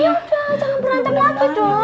ya udah jangan berantem lagi dong